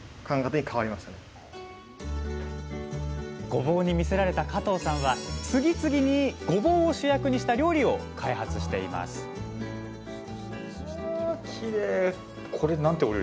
ごぼうに魅せられた加藤さんは次々にごぼうを主役にした料理を開発していますうわ